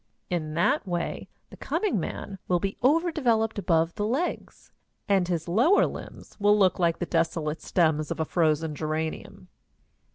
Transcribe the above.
In that way the coming man will be over developed above the legs, and his lower limbs will look like the desolate stems of a frozen geranium.